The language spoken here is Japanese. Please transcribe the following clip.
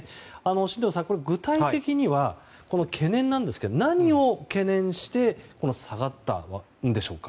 進藤さん、具体的にはこの懸念なんですけれども何を懸念して下がったんでしょうか？